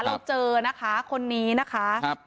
เราเจอนะคะคนนี้นะคะ